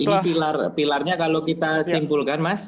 ini pilarnya kalau kita simpulkan mas